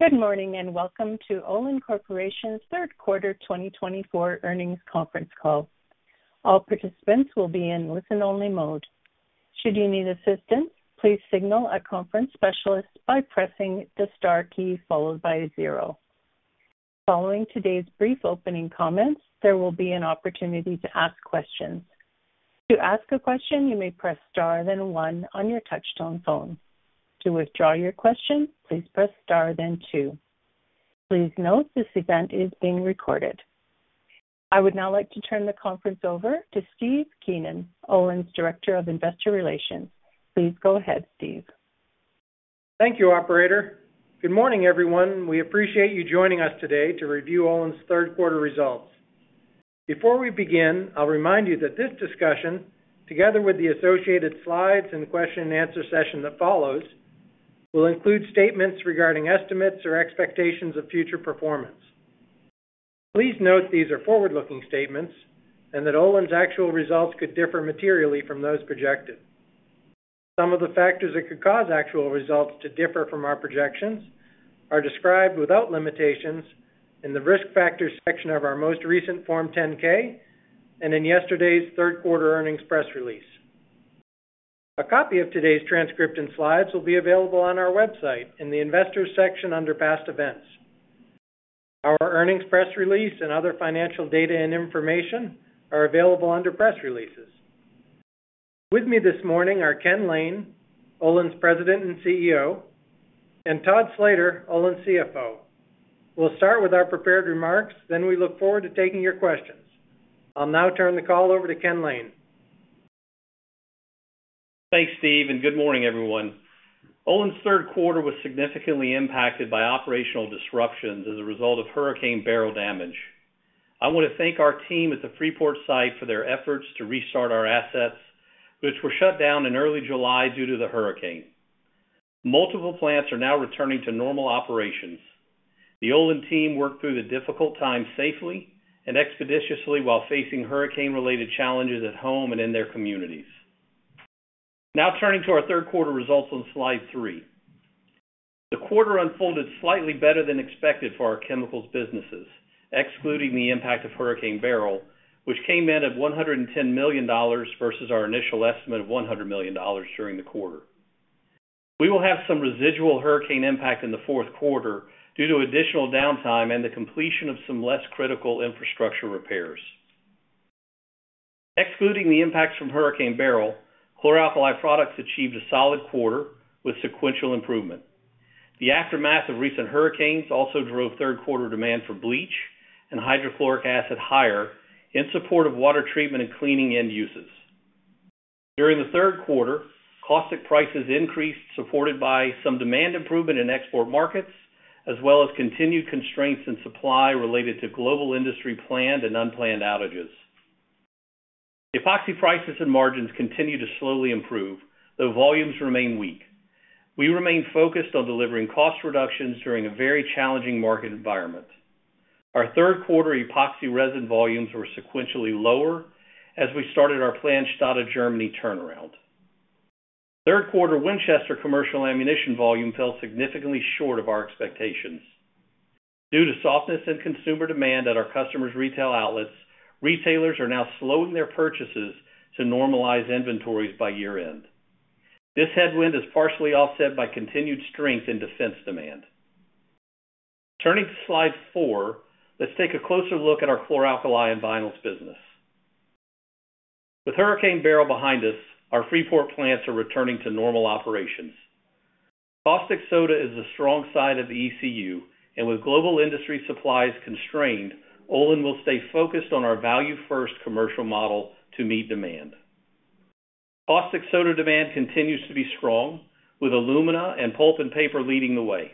Good morning, and welcome to Olin Corporation's third quarter twenty twenty-four earnings conference call. All participants will be in listen-only mode. Should you need assistance, please signal a conference specialist by pressing the star key followed by a zero. Following today's brief opening comments, there will be an opportunity to ask questions. To ask a question, you may press Star, then One on your touchtone phone. To withdraw your question, please press Star, then Two. Please note, this event is being recorded. I would now like to turn the conference over to Steve Keenan, Olin's Director of Investor Relations. Please go ahead, Steve. Thank you, operator. Good morning, everyone. We appreciate you joining us today to review Olin's third quarter results. Before we begin, I'll remind you that this discussion, together with the associated slides and question and answer session that follows, will include statements regarding estimates or expectations of future performance. Please note these are forward-looking statements and that Olin's actual results could differ materially from those projected. Some of the factors that could cause actual results to differ from our projections are described without limitations in the Risk Factors section of our most recent Form 10-K and in yesterday's third quarter earnings press release. A copy of today's transcript and slides will be available on our website in the Investors section under Past Events. Our earnings press release and other financial data and information are available under Press Releases. With me this morning are Ken Lane, Olin's President and CEO, and Todd Slater, Olin's CFO. We'll start with our prepared remarks, then we look forward to taking your questions. I'll now turn the call over to Ken Lane. Thanks, Steve, and good morning, everyone. Olin's third quarter was significantly impacted by operational disruptions as a result of Hurricane Beryl damage. I want to thank our team at the Freeport site for their efforts to restart our assets, which were shut down in early July due to the hurricane. Multiple plants are now returning to normal operations. The Olin team worked through the difficult times safely and expeditiously while facing hurricane-related challenges at home and in their communities. Now turning to our third quarter results on slide three. The quarter unfolded slightly better than expected for our chemicals businesses, excluding the impact of Hurricane Beryl, which came in at $110 million versus our initial estimate of $100 million during the quarter. We will have some residual hurricane impact in the fourth quarter due to additional downtime and the completion of some less critical infrastructure repairs. Excluding the impacts from Hurricane Beryl, chlor-alkali products achieved a solid quarter with sequential improvement. The aftermath of recent hurricanes also drove third quarter demand for bleach and hydrochloric acid higher in support of water treatment and cleaning end uses. During the third quarter, caustic prices increased, supported by some demand improvement in export markets, as well as continued constraints in supply related to global industry planned and unplanned outages. Epoxy prices and margins continue to slowly improve, though volumes remain weak. We remain focused on delivering cost reductions during a very challenging market environment. Our third quarter epoxy resin volumes were sequentially lower as we started our planned Stade, Germany turnaround. Third quarter, Winchester commercial ammunition volume fell significantly short of our expectations. Due to softness in consumer demand at our customers' retail outlets, retailers are now slowing their purchases to normalize inventories by year-end. This headwind is partially offset by continued strength in defense demand. Turning to slide four, let's take a closer look at our chlor-alkali and vinyls business. With Hurricane Beryl behind us, our Freeport plants are returning to normal operations. Caustic soda is a strong side of the ECU, and with global industry supplies constrained, Olin will stay focused on our value-first commercial model to meet demand. Caustic soda demand continues to be strong, with alumina and pulp and paper leading the way.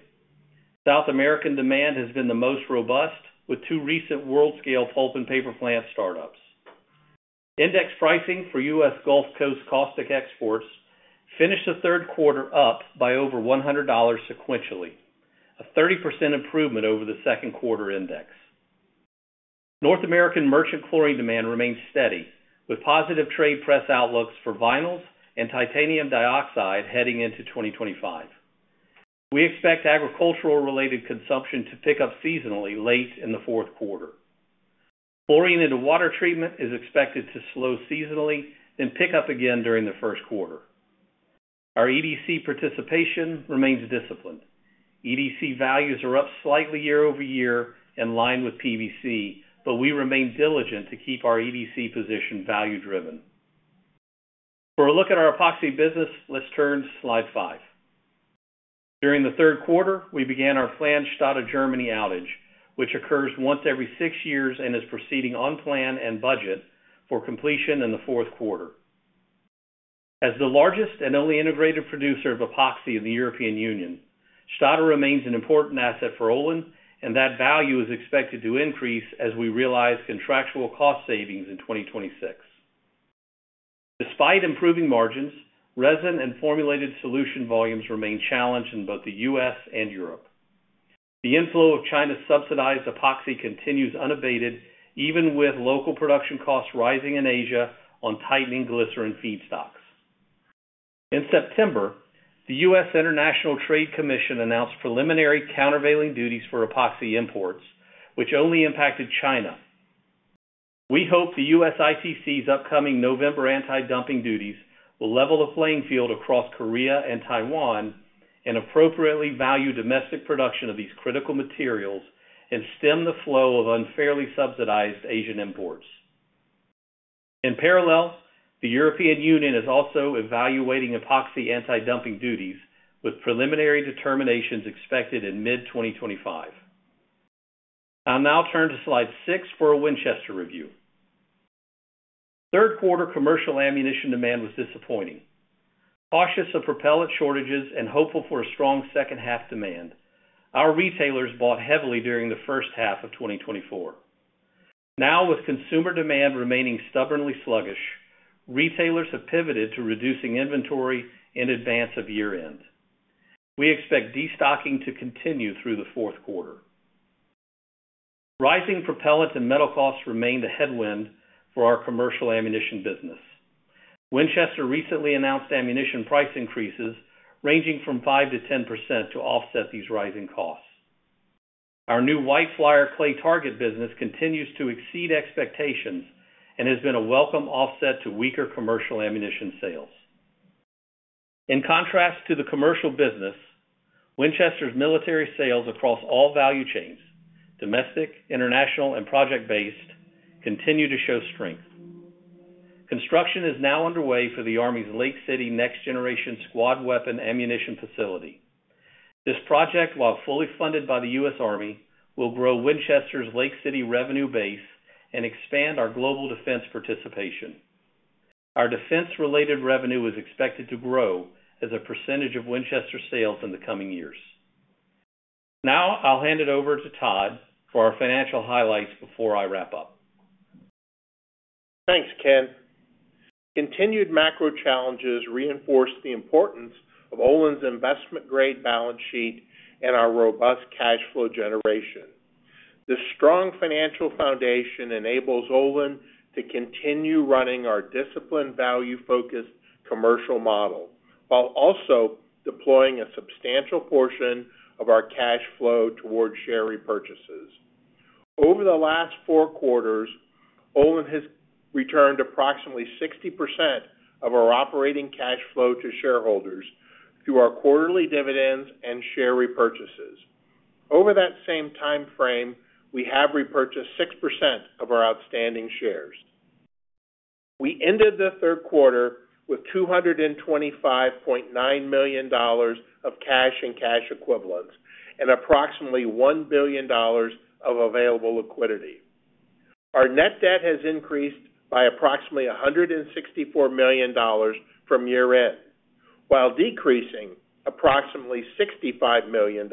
South American demand has been the most robust, with two recent world-scale pulp and paper plant startups. Index pricing for U.S. Gulf Coast caustic exports finished the third quarter up by over $100 sequentially, a 30% improvement over the second quarter index. North American merchant chlorine demand remains steady, with positive trade press outlooks for vinyls and titanium dioxide heading into 2025. We expect agricultural-related consumption to pick up seasonally late in the fourth quarter. Chlorine into water treatment is expected to slow seasonally, then pick up again during the first quarter. Our EDC participation remains disciplined. EDC values are up slightly year-over-year in line with PVC, but we remain diligent to keep our EDC position value-driven. For a look at our epoxy business, let's turn to slide five. During the third quarter, we began our planned Stade, Germany outage, which occurs once every six years and is proceeding on plan and budget for completion in the fourth quarter. As the largest and only integrated producer of epoxy in the European Union, Stade remains an important asset for Olin, and that value is expected to increase as we realize contractual cost savings in 2026. Despite improving margins, resin and formulated solution volumes remain challenged in both the U.S. and Europe. The inflow of China's subsidized epoxy continues unabated, even with local production costs rising in Asia on tightening glycerin feedstocks. In September, the U.S. International Trade Commission announced preliminary countervailing duties for epoxy imports, which only impacted China. We hope the USITC's upcoming November anti-dumping duties will level the playing field across Korea and Taiwan, and appropriately value domestic production of these critical materials, and stem the flow of unfairly subsidized Asian imports. In parallel, the European Union is also evaluating epoxy anti-dumping duties, with preliminary determinations expected in mid-2025. I'll now turn to slide six for a Winchester review. Third quarter commercial ammunition demand was disappointing. Cautious of propellant shortages and hopeful for a strong second half demand, our retailers bought heavily during the first half of twenty twenty-four. Now, with consumer demand remaining stubbornly sluggish, retailers have pivoted to reducing inventory in advance of year-end. We expect destocking to continue through the fourth quarter. Rising propellant and metal costs remain the headwind for our commercial ammunition business. Winchester recently announced ammunition price increases ranging from 5%-10% to offset these rising costs. Our new White Flyer clay target business continues to exceed expectations and has been a welcome offset to weaker commercial ammunition sales. In contrast to the commercial business, Winchester's military sales across all value chains, domestic, international, and project-based, continue to show strength. Construction is now underway for the Army's Lake City Next Generation Squad Weapon Ammunition facility. This project, while fully funded by the U.S. Army, will grow Winchester's Lake City revenue base and expand our global defense participation. Our defense-related revenue is expected to grow as a percentage of Winchester sales in the coming years. Now, I'll hand it over to Todd for our financial highlights before I wrap up. Thanks, Ken. Continued macro challenges reinforce the importance of Olin's investment-grade balance sheet and our robust cash flow generation. This strong financial foundation enables Olin to continue running our disciplined, value-focused commercial model, while also deploying a substantial portion of our cash flow towards share repurchases. Over the last four quarters, Olin has returned approximately 60% of our operating cash flow to shareholders through our quarterly dividends and share repurchases. Over that same time frame, we have repurchased 6% of our outstanding shares. We ended the third quarter with $225.9 million of cash and cash equivalents, and approximately $1 billion of available liquidity. Our net debt has increased by approximately $164 million from year-end, while decreasing approximately $65 million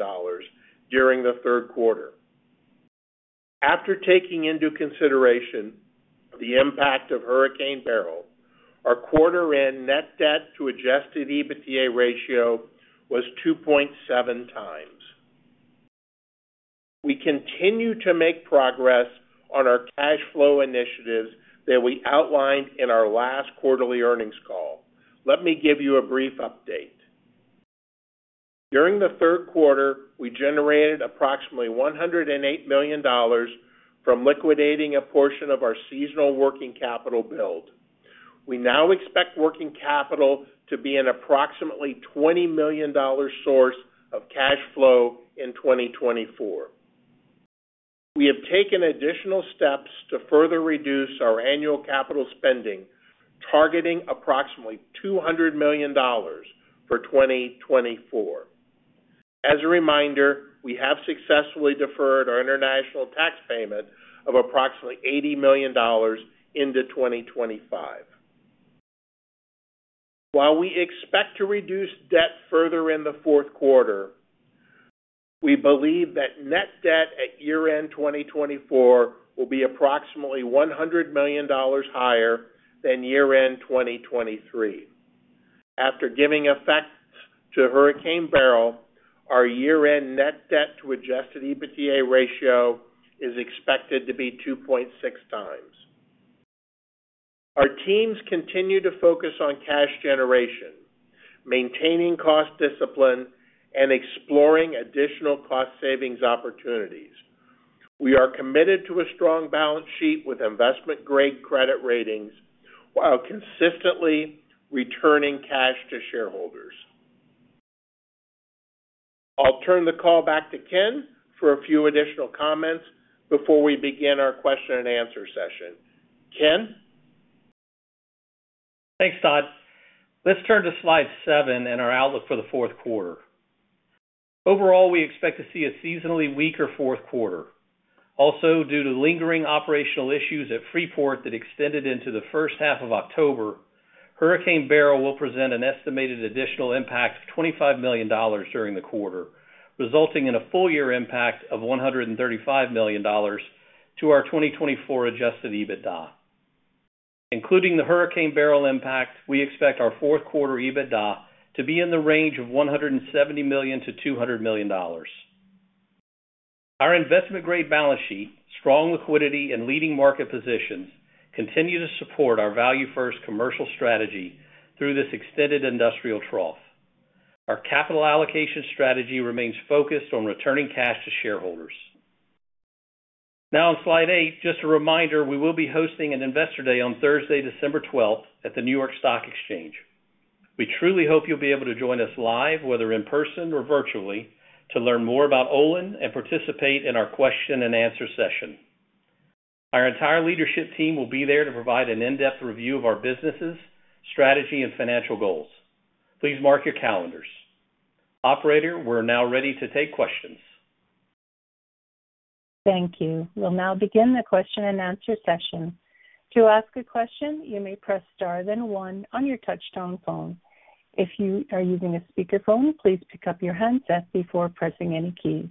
during the third quarter. After taking into consideration the impact of Hurricane Beryl, our quarter-end net debt to Adjusted EBITDA ratio was 2.7 times. We continue to make progress on our cash flow initiatives that we outlined in our last quarterly earnings call. Let me give you a brief update. During the third quarter, we generated approximately $108 million from liquidating a portion of our seasonal working capital build. We now expect working capital to be an approximately $20 million source of cash flow in 2024. We have taken additional steps to further reduce our annual capital spending, targeting approximately $200 million for 2024. As a reminder, we have successfully deferred our international tax payment of approximately $80 million into 2025. While we expect to reduce debt further in the fourth quarter, we believe that net debt at year-end 2024 will be approximately $100 million higher than year-end 2023. After giving effect to Hurricane Beryl, our year-end net debt to Adjusted EBITDA ratio is expected to be 2.6 times. Our teams continue to focus on cash generation, maintaining cost discipline, and exploring additional cost savings opportunities. We are committed to a strong balance sheet with investment-grade credit ratings, while consistently returning cash to shareholders. I'll turn the call back to Ken for a few additional comments before we begin our question and answer session. Ken? Thanks, Todd. Let's turn to slide seven and our outlook for the fourth quarter. Overall, we expect to see a seasonally weaker fourth quarter. Also, due to lingering operational issues at Freeport that extended into the first half of October, Hurricane Beryl will present an estimated additional impact of $25 million during the quarter, resulting in a full-year impact of $135 million to our 2024 Adjusted EBITDA. Including the Hurricane Beryl impact, we expect our fourth quarter EBITDA to be in the range of $170 million-$200 million. Our investment-grade balance sheet, strong liquidity and leading market positions continue to support our value-first commercial strategy through this extended industrial trough. Our capital allocation strategy remains focused on returning cash to shareholders. Now, on slide eight, just a reminder, we will be hosting an Investor Day on Thursday, December 12th, at the New York Stock Exchange. We truly hope you'll be able to join us live, whether in person or virtually, to learn more about Olin and participate in our question and answer session. Our entire leadership team will be there to provide an in-depth review of our businesses, strategy, and financial goals. Please mark your calendars. Operator, we're now ready to take questions. Thank you. We'll now begin the question-and-answer session. To ask a question, you may press star then one on your touchtone phone. If you are using a speakerphone, please pick up your handset before pressing any keys.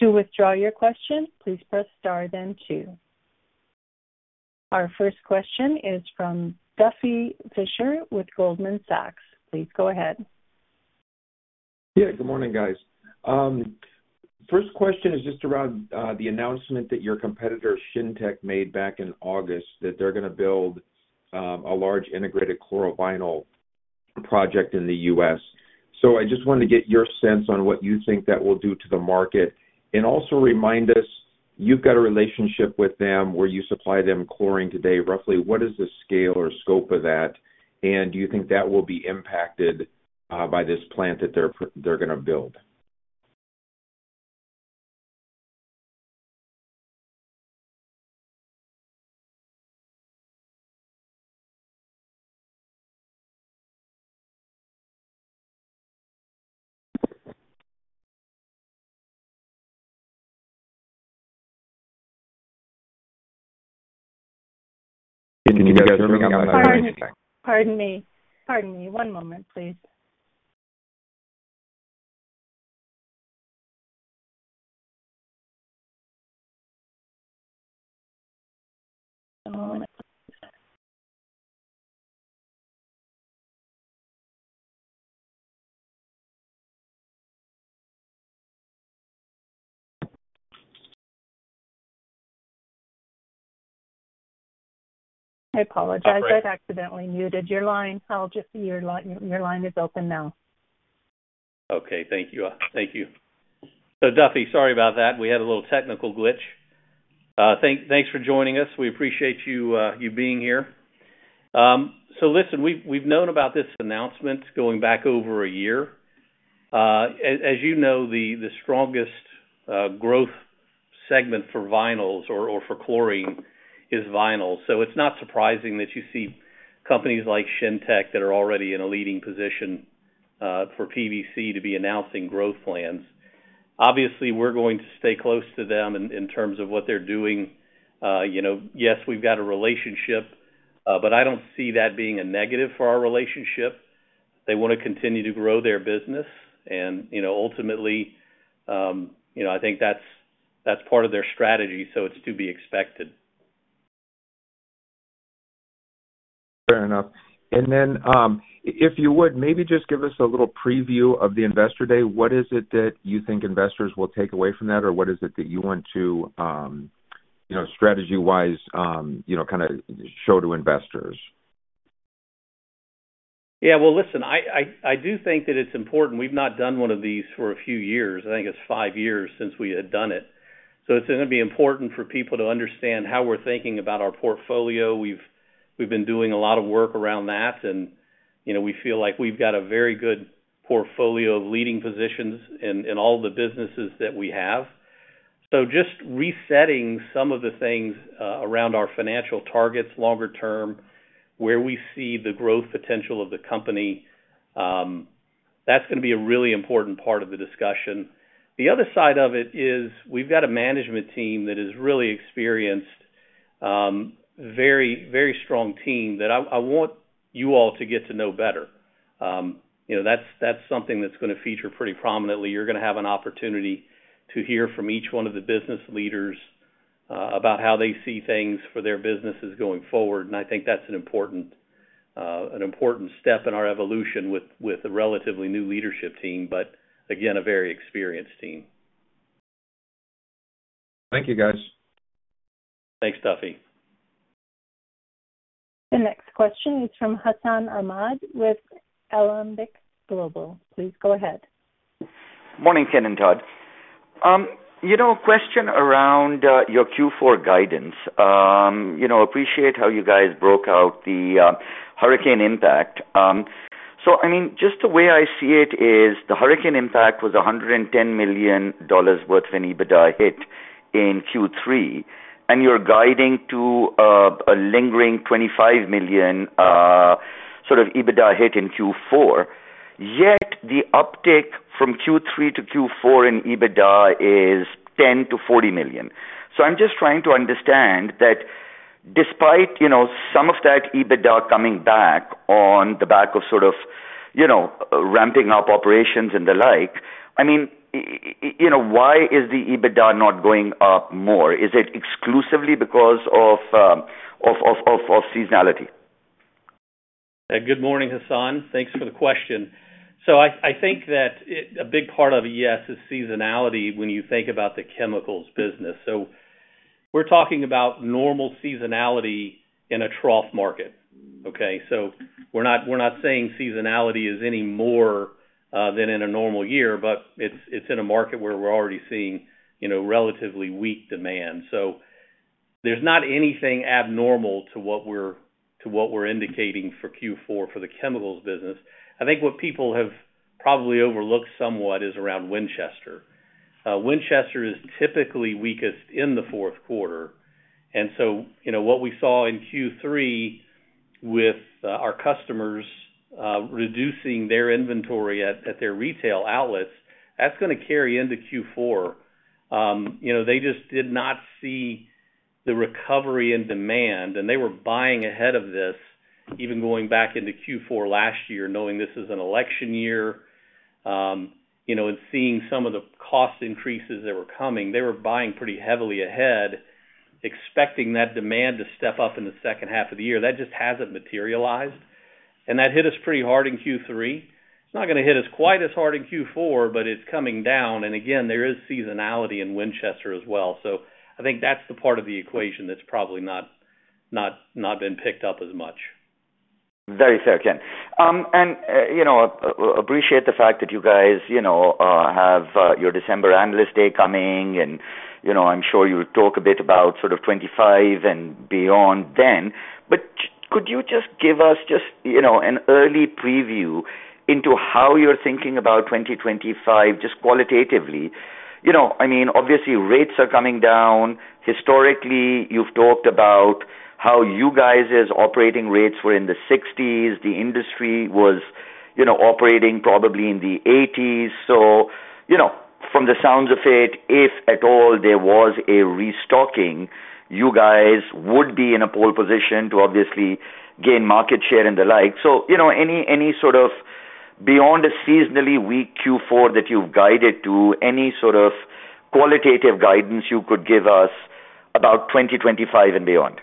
To withdraw your question, please press star then two. Our first question is from Duffy Fischer with Goldman Sachs. Please go ahead. Yeah, good morning, guys. First question is just around the announcement that your competitor, Shintech, made back in August, that they're gonna build a large integrated chlorovinyl project in the U.S. So I just wanted to get your sense on what you think that will do to the market. And also remind us, you've got a relationship with them where you supply them chlorine today. Roughly, what is the scale or scope of that? And do you think that will be impacted by this plant that they're gonna build? Pardon me. Pardon me. One moment, please. I apologize. Operator. I accidentally muted your line. Your line is open now. Okay, thank you. Thank you. So, Duffy, sorry about that. We had a little technical glitch. Thanks for joining us. We appreciate you, you being here. So listen, we've known about this announcement going back over a year. As you know, the strongest growth segment for vinyls or for chlorine is vinyl. So it's not surprising that you see companies like Shintech that are already in a leading position for PVC to be announcing growth plans. Obviously, we're going to stay close to them in terms of what they're doing. You know, yes, we've got a relationship, but I don't see that being a negative for our relationship. They want to continue to grow their business and, you know, ultimately, you know, I think that's part of their strategy, so it's to be expected. Fair enough. And then, if you would, maybe just give us a little preview of the Investor Day. What is it that you think investors will take away from that? Or what is it that you want to, you know, strategy-wise, you know, kind of show to investors? Yeah, well, listen, I do think that it's important. We've not done one of these for a few years. I think it's five years since we had done it. So it's gonna be important for people to understand how we're thinking about our portfolio. We've been doing a lot of work around that, and, you know, we feel like we've got a very good portfolio of leading positions in all the businesses that we have. So just resetting some of the things around our financial targets longer term, where we see the growth potential of the company, that's gonna be a really important part of the discussion. The other side of it is, we've got a management team that is really experienced, very, very strong team that I want you all to get to know better. You know, that's, that's something that's gonna feature pretty prominently. You're gonna have an opportunity to hear from each one of the business leaders about how they see things for their businesses going forward, and I think that's an important step in our evolution with a relatively new leadership team, but again, a very experienced team. Thank you, guys. Thanks, Duffy. The next question is from Hassan Ahmed with Alembic Global. Please go ahead. Morning, Ken and Todd. You know, question around your Q4 guidance. You know, appreciate how you guys broke out the hurricane impact. So, I mean, just the way I see it is the hurricane impact was $110 million worth of an EBITDA hit in Q3, and you're guiding to a lingering $25 million sort of EBITDA hit in Q4. Yet, the uptick from Q3 to Q4 in EBITDA is $10 million-$40 million. So I'm just trying to understand that despite, you know, some of that EBITDA coming back on the back of sort of, you know, ramping up operations and the like, I mean, you know, why is the EBITDA not going up more? Is it exclusively because of seasonality? Good morning, Hassan. Thanks for the question. So I think that a big part of it, yes, is seasonality when you think about the chemicals business. So we're talking about normal seasonality in a trough market, okay? So we're not saying seasonality is any more than in a normal year, but it's in a market where we're already seeing, you know, relatively weak demand. So there's not anything abnormal to what we're indicating for Q4 for the chemicals business. I think what people have probably overlooked somewhat is around Winchester. Winchester is typically weakest in the fourth quarter. And so, you know, what we saw in Q3 with our customers reducing their inventory at their retail outlets, that's gonna carry into Q4. You know, they just did not see the recovery in demand, and they were buying ahead of this, even going back into Q4 last year, knowing this is an election year, you know, and seeing some of the cost increases that were coming. They were buying pretty heavily ahead, expecting that demand to step up in the second half of the year. That just hasn't materialized, and that hit us pretty hard in Q3. It's not gonna hit us quite as hard in Q4, but it's coming down, and again, there is seasonality in Winchester as well. So I think that's the part of the equation that's probably not been picked up as much. Very fair, Ken. And, you know, appreciate the fact that you guys, you know, have your December Analyst Day coming, and, you know, I'm sure you'll talk a bit about sort of 2025 and beyond then. But could you just give us just, you know, an early preview into how you're thinking about 2025, just qualitatively? You know, I mean, obviously, rates are coming down. Historically, you've talked about how you guys' operating rates were in the 1960s. The industry was, you know, operating probably in the 1980s. So, you know, from the sounds of it, if at all, there was a restocking, you guys would be in a pole position to obviously gain market share and the like. So, you know, any sort of beyond a seasonally weak Q4 that you've guided to, any sort of qualitative guidance you could give us about 2025 and beyond?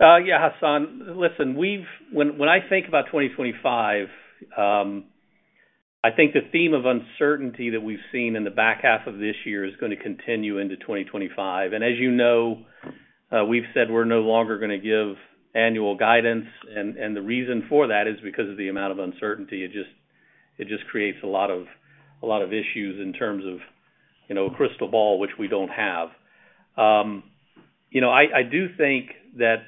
Yeah, Hassan. Listen. When I think about 2025, I think the theme of uncertainty that we've seen in the back half of this year is gonna continue into 2025. And as you know, we've said we're no longer gonna give annual guidance, and the reason for that is because of the amount of uncertainty. It just creates a lot of issues in terms of, you know, crystal ball, which we don't have. You know, I do think that,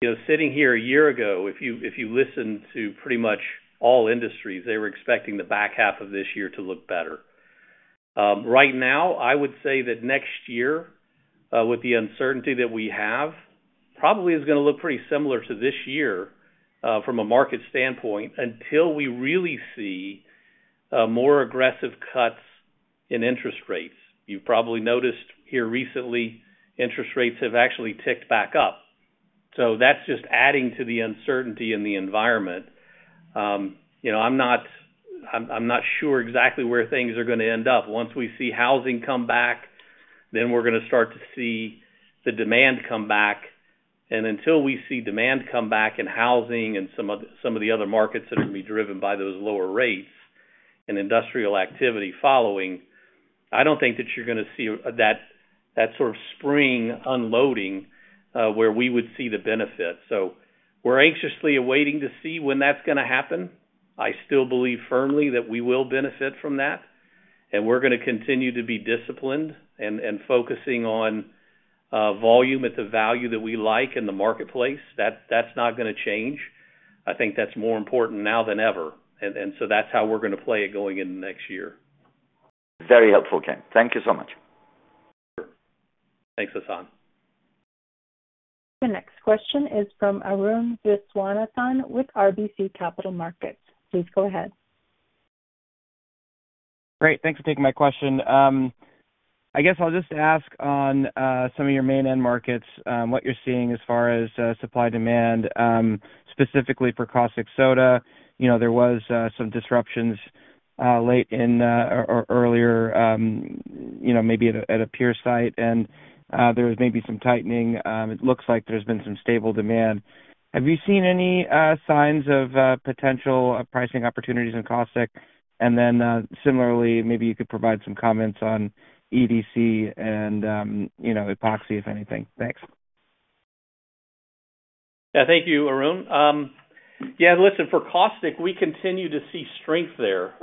you know, sitting here a year ago, if you listen to pretty much all industries, they were expecting the back half of this year to look better. Right now, I would say that next year, with the uncertainty that we have, probably is gonna look pretty similar to this year, from a market standpoint, until we really see more aggressive cuts in interest rates. You've probably noticed here recently, interest rates have actually ticked back up. So that's just adding to the uncertainty in the environment. You know, I'm not sure exactly where things are gonna end up. Once we see housing come back, then we're gonna start to see the demand come back, and until we see demand come back in housing and some of the other markets that are gonna be driven by those lower rates and industrial activity following, I don't think that you're gonna see that sort of spring unloading, where we would see the benefit. So we're anxiously awaiting to see when that's gonna happen. I still believe firmly that we will benefit from that, and we're gonna continue to be disciplined and focusing on volume at the value that we like in the marketplace. That's not gonna change. I think that's more important now than ever. And so that's how we're gonna play it going in the next year. Very helpful, Ken. Thank you so much. Thanks, Hassan. The next question is from Arun Viswanathan with RBC Capital Markets. Please go ahead. Great, thanks for taking my question. I guess I'll just ask on some of your main end markets what you're seeing as far as supply-demand specifically for caustic soda. You know, there was some disruptions late in or earlier, you know, maybe at a peer site, and there was maybe some tightening. It looks like there's been some stable demand. Have you seen any signs of potential pricing opportunities in caustic? And then, similarly, maybe you could provide some comments on EDC and, you know, epoxy, if anything. Thanks. Yeah, thank you, Arun. Yeah, listen, for caustic, we continue to see strength there.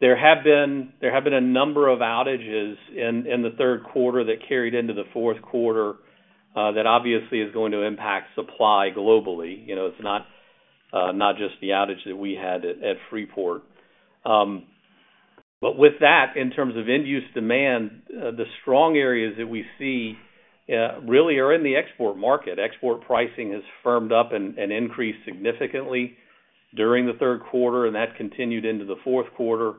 There have been a number of outages in the third quarter that carried into the fourth quarter, that obviously is going to impact supply globally. You know, it's not just the outage that we had at Freeport. But with that, in terms of end-use demand, the strong areas that we see really are in the export market. Export pricing has firmed up and increased significantly during the third quarter, and that continued into the fourth quarter.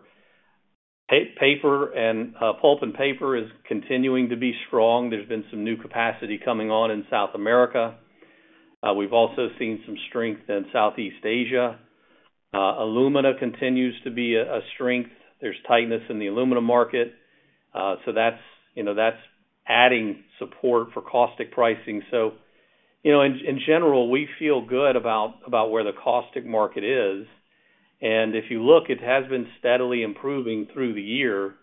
Paper and pulp and paper is continuing to be strong. There's been some new capacity coming on in South America. We've also seen some strength in Southeast Asia. Alumina continues to be a strength. There's tightness in the alumina market. So that's, you know, that's adding support for caustic pricing. So, you know, in general, we feel good about where the caustic market is. And if you look, it has been steadily improving through the year.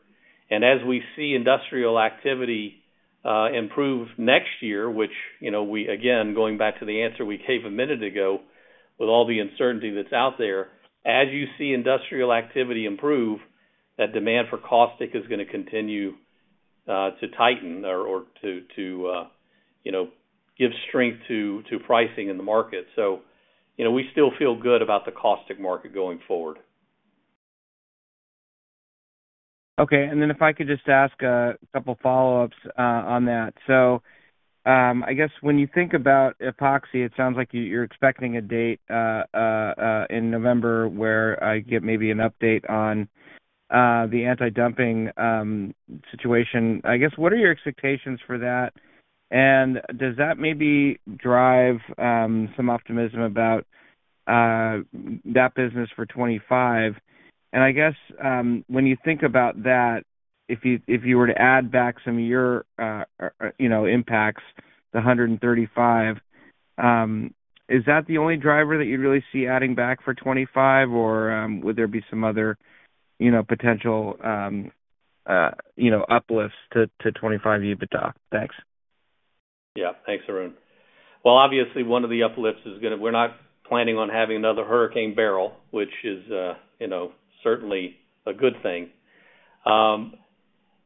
And as we see industrial activity improve next year, which, you know, we again, going back to the answer we gave a minute ago, with all the uncertainty that's out there, as you see industrial activity improve, that demand for caustic is gonna continue to tighten or to give strength to pricing in the market. So, you know, we still feel good about the caustic market going forward. Okay. And then if I could just ask a couple follow-ups on that. So, I guess when you think about Epoxy, it sounds like you, you're expecting a date in November, where I get maybe an update on the anti-dumping situation. I guess, what are your expectations for that? And does that maybe drive some optimism about that business for 2025? And I guess, when you think about that, if you were to add back some of your, you know, impacts, the $135 million, is that the only driver that you really see adding back for 2025, or would there be some other, you know, potential uplifts to 2025 EBITDA? Thanks. Yeah. Thanks, Arun. Well, obviously, one of the uplifts is gonna. We're not planning on having another Hurricane Beryl, which is, you know, certainly a good thing.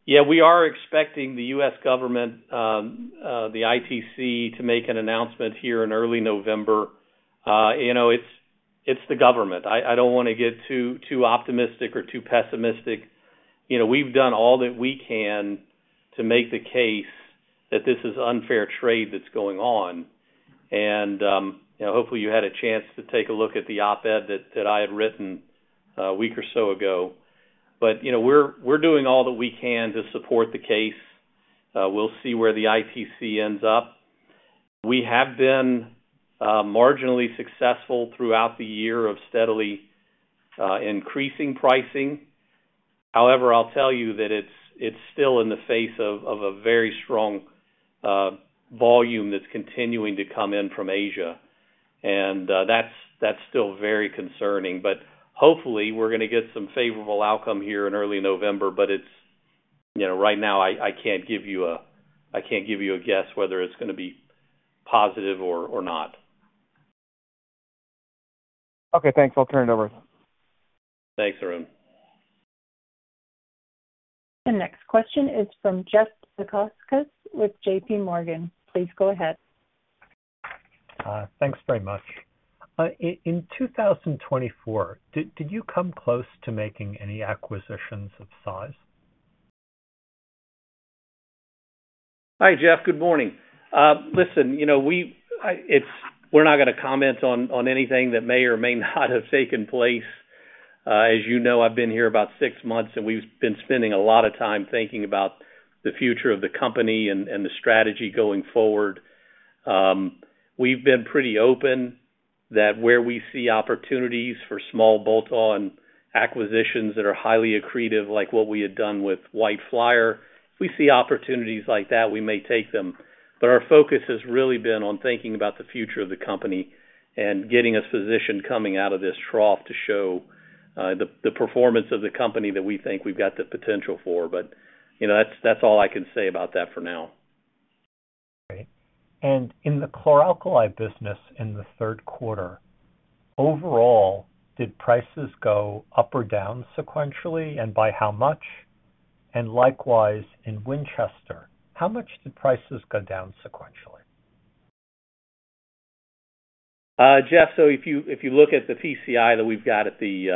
Yeah, we are expecting the U.S. government, the ITC, to make an announcement here in early November. You know, it's the government. I don't want to get too optimistic or too pessimistic. You know, we've done all that we can to make the case that this is unfair trade that's going on. And, you know, hopefully, you had a chance to take a look at the op-ed that I had written a week or so ago. But, you know, we're doing all that we can to support the case. We'll see where the ITC ends up. We have been marginally successful throughout the year of steadily increasing pricing. However, I'll tell you that it's still in the face of a very strong volume that's continuing to come in from Asia. And that's still very concerning, but hopefully, we're gonna get some favorable outcome here in early November. But it's, You know, right now, I can't give you a guess whether it's gonna be positive or not. Okay, thanks. I'll turn it over. Thanks, Arun. The next question is from Jeff Zekauskas with J.P. Morgan. Please go ahead. Thanks very much. In 2024, did you come close to making any acquisitions of size? Hi, Jeff. Good morning. Listen, you know, we're not gonna comment on anything that may or may not have taken place. As you know, I've been here about six months, and we've been spending a lot of time thinking about the future of the company and the strategy going forward. We've been pretty open that where we see opportunities for small bolt-on acquisitions that are highly accretive, like what we had done with White Flyer, if we see opportunities like that, we may take them. But our focus has really been on thinking about the future of the company and getting us positioned, coming out of this trough, to show the performance of the company that we think we've got the potential for. But, you know, that's all I can say about that for now. Great. And in the chlor-alkali business in the third quarter, overall, did prices go up or down sequentially, and by how much? And likewise, in Winchester, how much did prices go down sequentially? Jeff, so if you look at the PCI that we've got at the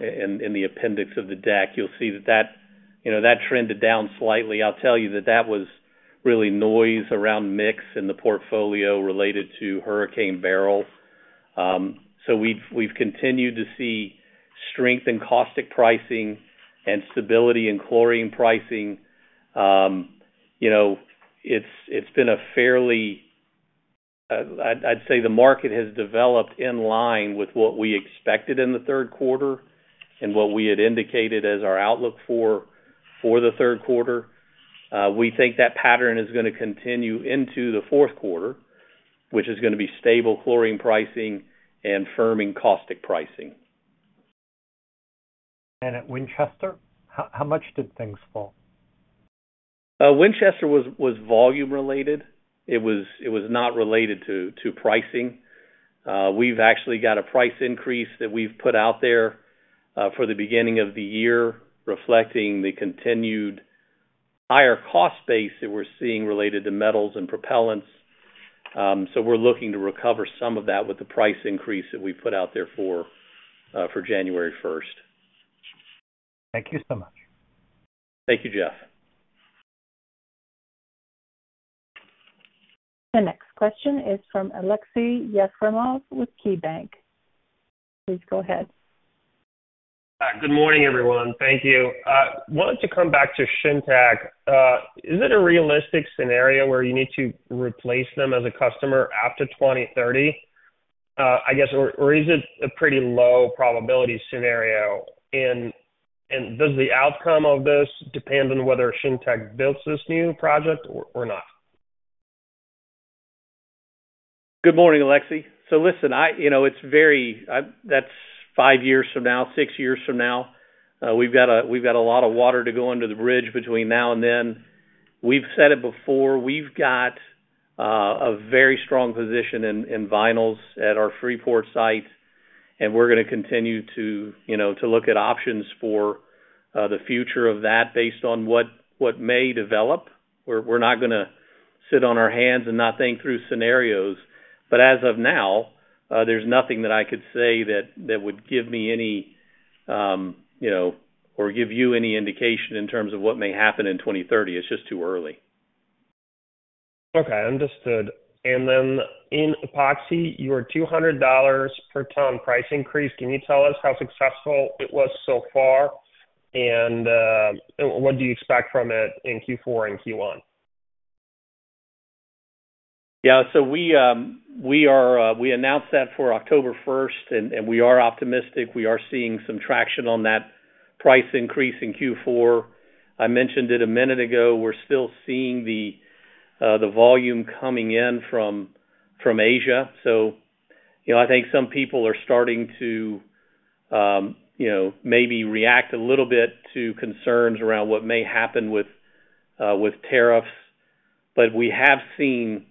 in the appendix of the deck, you'll see that that, you know, that trended down slightly. I'll tell you that that was really noise around mix in the portfolio related to Hurricane Beryl. So we've continued to see strength in caustic pricing and stability in chlorine pricing. You know, it's been a fairly, I'd say the market has developed in line with what we expected in the third quarter and what we had indicated as our outlook for the third quarter. We think that pattern is gonna continue into the fourth quarter, which is gonna be stable chlorine pricing and firming caustic pricing. And at Winchester, how much did things fall? Winchester was volume related. It was not related to pricing. We've actually got a price increase that we've put out there for the beginning of the year, reflecting the continued higher cost base that we're seeing related to metals and propellants, so we're looking to recover some of that with the price increase that we put out there for January 1st. Thank you so much. Thank you, Jeff. The next question is from Aleksey Yefremov with KeyBanc. Please go ahead. ... Hi, good morning, everyone. Thank you. I wanted to come back to Shintech. Is it a realistic scenario where you need to replace them as a customer after 2030? I guess, or is it a pretty low probability scenario? And does the outcome of this depend on whether Shintech builds this new project or not? Good morning, Aleksey. So listen, you know, it's very, that's five years from now, six years from now. We've got a lot of water to go under the bridge between now and then. We've said it before, we've got a very strong position in vinyls at our Freeport site, and we're gonna continue to, you know, to look at options for the future of that based on what may develop. We're not gonna sit on our hands and not think through scenarios, but as of now, there's nothing that I could say that would give me any, you know, or give you any indication in terms of what may happen in 2030. It's just too early. Okay, understood. And then in Epoxy, your $200 per ton price increase, can you tell us how successful it was so far, and what do you expect from it in Q4 and Q1? Yeah, so we, we are, we announced that for October 1st, and, and we are optimistic. We are seeing some traction on that price increase in Q4. I mentioned it a minute ago, we're still seeing the, the volume coming in from, from Asia. So, you know, I think some people are starting to, you know, maybe react a little bit to concerns around what may happen with, with tariffs. But we have seen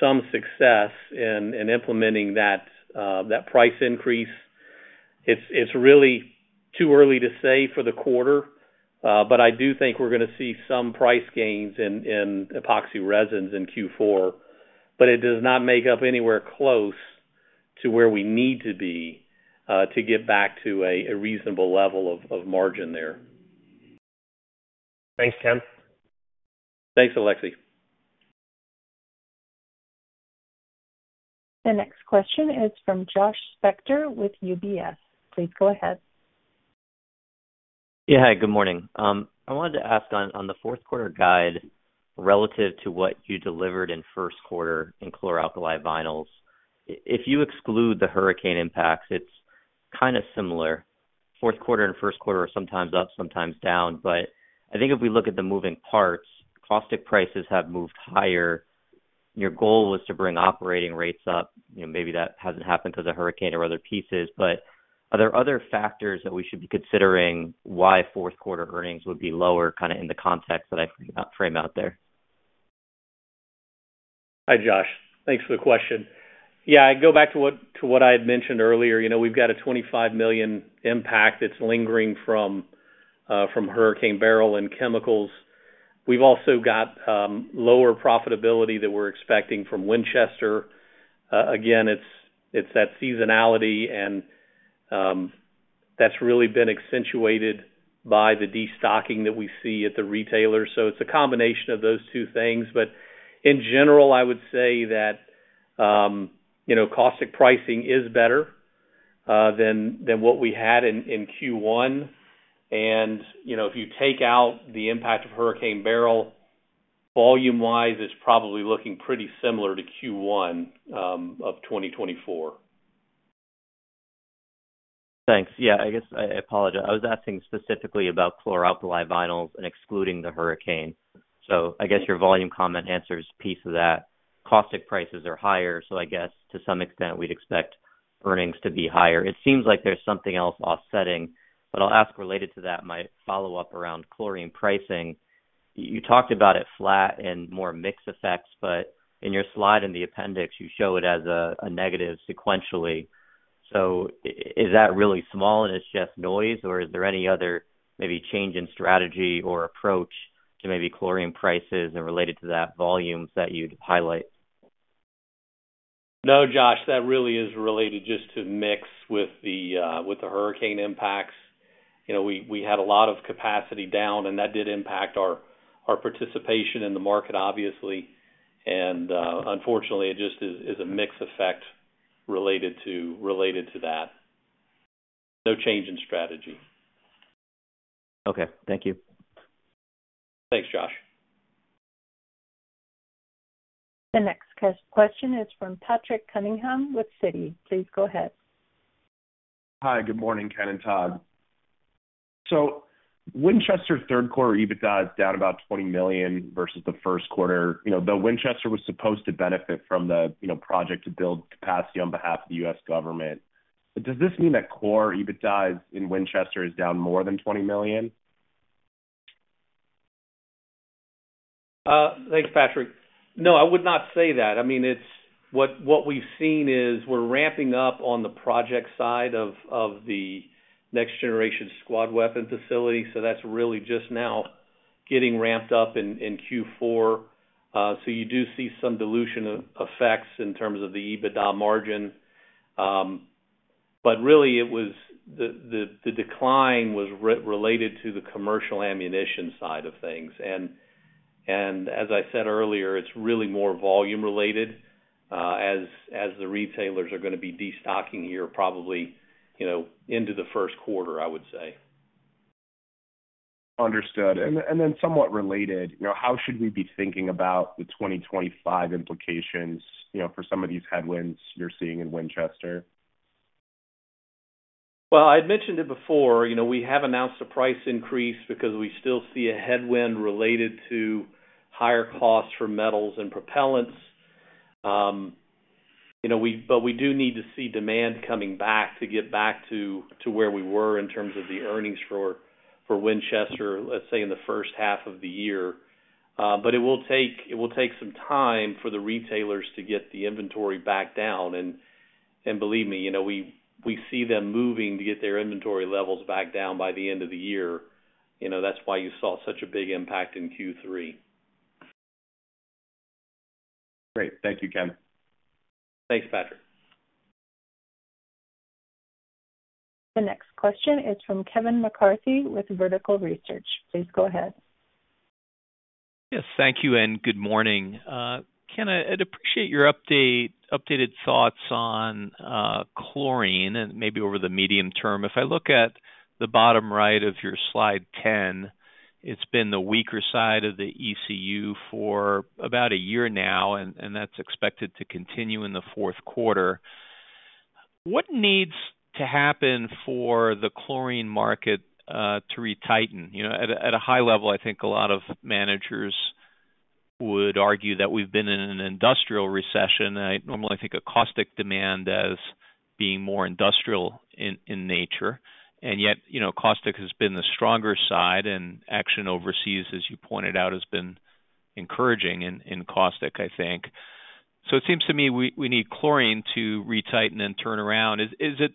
some success in, in implementing that, that price increase. It's, it's really too early to say for the quarter, but I do think we're gonna see some price gains in, in epoxy resins in Q4, but it does not make up anywhere close to where we need to be, to get back to a, a reasonable level of, of margin there. Thanks, Ken. Thanks, Aleksey. The next question is from Josh Spector with UBS. Please go ahead. Yeah. Hi, good morning. I wanted to ask on the fourth quarter guide, relative to what you delivered in first quarter in chlor-alkali vinyls, if you exclude the hurricane impacts, it's kind of similar. Fourth quarter and first quarter are sometimes up, sometimes down. But I think if we look at the moving parts, caustic prices have moved higher. Your goal was to bring operating rates up, you know, maybe that hasn't happened because of hurricane or other pieces. But are there other factors that we should be considering why fourth quarter earnings would be lower, kind of in the context that I frame out there? Hi, Josh. Thanks for the question. Yeah, I go back to what I had mentioned earlier. You know, we've got a $25 million impact that's lingering from Hurricane Beryl in chemicals. We've also got lower profitability that we're expecting from Winchester. Again, it's that seasonality and that's really been accentuated by the destocking that we see at the retailer. So it's a combination of those two things. But in general, I would say that you know, caustic pricing is better than what we had in Q1. You know, if you take out the impact of Hurricane Beryl, volume-wise, it's probably looking pretty similar to Q1 of 2024. Thanks. Yeah, I guess I apologize. I was asking specifically about chlor-alkali vinyls and excluding the hurricane. So I guess your volume comment answers piece of that. Caustic prices are higher, so I guess to some extent we'd expect earnings to be higher. It seems like there's something else offsetting, but I'll ask related to that, my follow-up around chlorine pricing. You talked about it flat and more mix effects, but in your slide in the appendix, you show it as a negative sequentially. So is that really small and it's just noise, or is there any other maybe change in strategy or approach to maybe chlorine prices and related to that, volumes that you'd highlight? No, Josh, that really is related just to mix with the hurricane impacts. You know, we had a lot of capacity down, and that did impact our participation in the market, obviously. And, unfortunately, it just is a mix effect related to that. No change in strategy. Okay, thank you. Thanks, Josh. The next question is from Patrick Cunningham with Citi. Please go ahead. Hi, good morning, Ken and Todd. So Winchester third quarter EBITDA is down about 20 million versus the first quarter. You know, though Winchester was supposed to benefit from the, you know, project to build capacity on behalf of the U.S. government. But does this mean that core EBITDA in Winchester is down more than 20 million? Thanks, Patrick. No, I would not say that. I mean, it's what we've seen is we're ramping up on the project side of the Next Generation Squad Weapon facility, so that's really just now getting ramped up in Q4. So you do see some dilution effects in terms of the EBITDA margin. But really, it was the decline was related to the commercial ammunition side of things. And as I said earlier, it's really more volume related, as the retailers are gonna be destocking here, probably, you know, into the first quarter, I would say. Understood. And then, somewhat related, you know, how should we be thinking about the 2025 implications, you know, for some of these headwinds you're seeing in Winchester? I'd mentioned it before, you know, we have announced a price increase because we still see a headwind related to higher costs for metals and propellants. You know, but we do need to see demand coming back to get back to, to where we were in terms of the earnings for Winchester, let's say, in the first half of the year. But it will take some time for the retailers to get the inventory back down. And believe me, you know, we see them moving to get their inventory levels back down by the end of the year. You know, that's why you saw such a big impact in Q3. Great. Thank you, Ken. Thanks, Patrick. The next question is from Kevin McCarthy with Vertical Research. Please go ahead. Yes, thank you, and good morning. Ken, I'd appreciate your updated thoughts on chlorine and maybe over the medium term. If I look at the bottom right of your slide ten, it's been the weaker side of the ECU for about a year now, and that's expected to continue in the fourth quarter. What needs to happen for the chlorine market to retighten? You know, at a high level, I think a lot of managers would argue that we've been in an industrial recession. I normally think of caustic demand as being more industrial in nature. And yet, you know, caustic has been the stronger side, and action overseas, as you pointed out, has been encouraging in caustic, I think. So it seems to me, we need chlorine to retighten and turn around. Is it